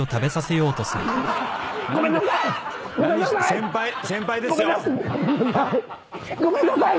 先輩先輩ですよ。